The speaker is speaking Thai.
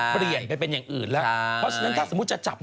เปลี่ยนไปเป็นอย่างอื่นแล้วเพราะฉะนั้นถ้าสมมุติจะจับ